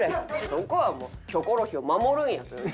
そこはもう『キョコロヒー』を守るんやという。